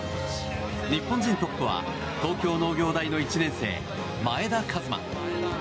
日本人トップは東京農業大の１年生、前田和摩。